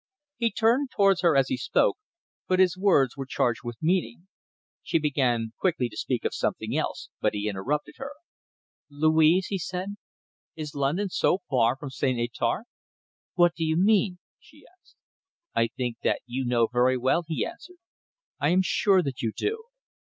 He turned towards her as he spoke, and his words were charged with meaning. She began quickly to speak of something else, but he interrupted her. "Louise," he said, "is London so far from St. Étarpe?" "What do you mean?" she asked. "I think that you know very well," he answered. "I am sure that you do.